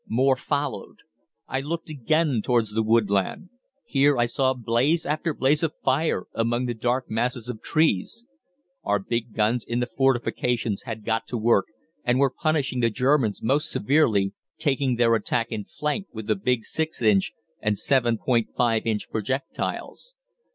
More followed. I looked again towards the woodland. Here I saw blaze after blaze of fire among the dark masses of trees. Our big guns in the fortifications had got to work, and were punishing the Germans most severely, taking their attack in flank with the big 6 inch and 7·5 inch projectiles.